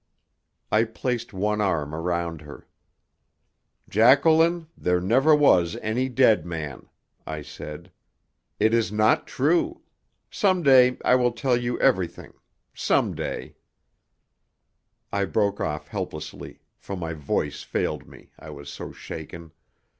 I placed one arm around her. "Jacqueline, there never was any dead man," I said. "It is not true. Some day I will tell you everything some day " I broke off helplessly, for my voice failed me, I was so shaken.